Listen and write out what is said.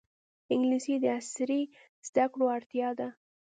انګلیسي د عصري زده کړو اړتیا ده